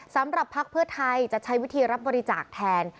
พักเพื่อไทยจะใช้วิธีรับบริจาคแทน